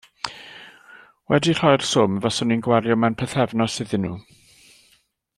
Wedi rhoi'r swm faswn i'n gwario mewn pythefnos iddyn nhw.